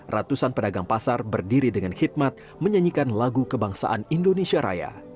ratusan pedagang pasar berdiri dengan khidmat menyanyikan lagu kebangsaan indonesia raya